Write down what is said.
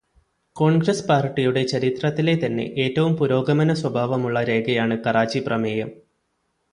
കോണ്ഗ്രസ്സ് പാര്ടിയുടെ ചരിത്രത്തിലെ തന്നെ ഏറ്റവും പുരോഗമനസ്വഭാവമുള്ള രേഖയാണ് കറാച്ചി പ്രമേയം.